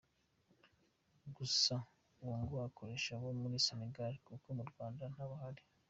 Gusa ubu ngo akoresha abo muri Senegal kuko mu Rwanda ntabahari.